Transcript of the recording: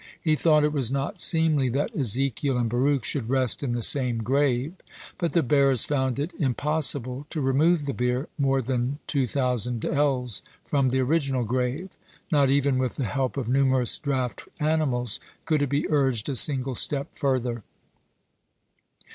He thought it was not seemly that Ezekiel and Baruch should rest in the same grave. But the bearers found it impossible to remove the bier more than two thousands ells from the original grave; not even with the help of numerous draught animals could it be urged a single step further.